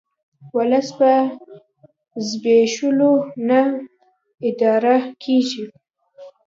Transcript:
ولس په زبېښولو نه اداره کیږي